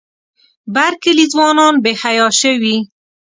بر کلي ځوانان بې حیا شوي.